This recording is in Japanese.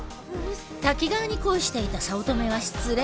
滝川に恋していた早乙女は失恋。